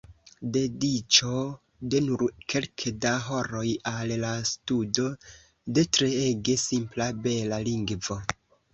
Dediĉo de nur kelke da horoj al la studo de treege simpla, bela lingvo.